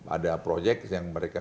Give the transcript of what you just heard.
ada proyek yang mereka